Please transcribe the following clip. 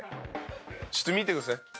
ちょっと見てください。